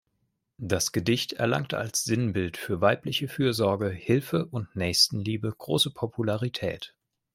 Das Gedicht erlangte als Sinnbild für weibliche Fürsorge, Hilfe und Nächstenliebe große Popularität.